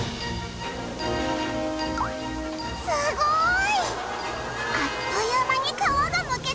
すごーい！